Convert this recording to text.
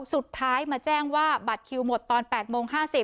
สุดท้ายมาแจ้งว่าบัตรคิวหมดตอน๘โมง๕๐